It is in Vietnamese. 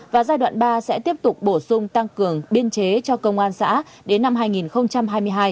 và giai đoạn ba sẽ tiếp tục bổ sung tăng cường biên chế cho công an xã đến năm hai nghìn hai mươi hai